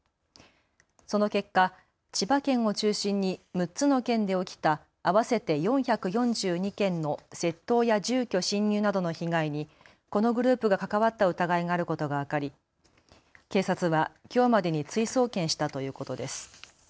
その結果、千葉県を中心に６つの県で起きた合わせて４４２件の窃盗や住居侵入などの被害にこのグループが関わった疑いがあることが分かり警察はきょうまでに追送検したということです。